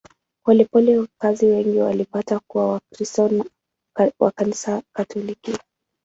Polepole wakazi wengi walipata kuwa Wakristo wa Kanisa Katoliki.